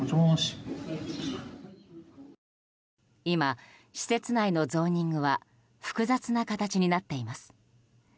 今、施設内のゾーニングは複雑な形になっています。